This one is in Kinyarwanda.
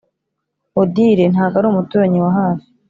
odile, ntago ari umuturanyi wa hafi, .